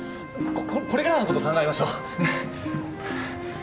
こっこれからのこと考えましょうねっ。